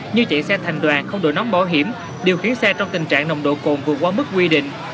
như chạy xe thành đoàn không đổi nóng bảo hiểm điều khiển xe trong tình trạng nồng độ cồn vượt quá mức quy định